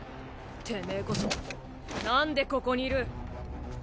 てめぇこそなんでここにいる？